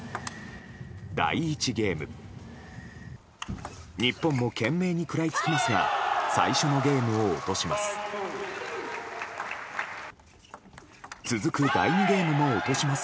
第１ゲーム日本も懸命に食らいつきますが最初のゲームを落とします。